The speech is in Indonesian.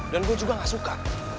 dan gue juga gak suka